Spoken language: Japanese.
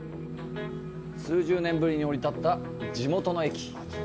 数十年ぶりに降り立った地元の駅。